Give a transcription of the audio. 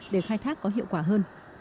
để khai thác có hiệu quả hơn